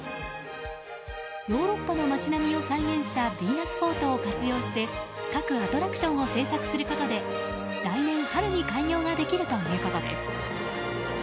ヨーロッパの街並みを再現したヴィーナスフォートを活用して、各アトラクションを製作することで来年春に開業ができるということです。